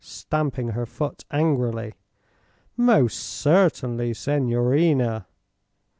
stamping her foot angrily. "Most certainly, signorina."